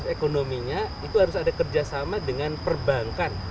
dan ekonominya itu harus ada kerjasama dengan perbankan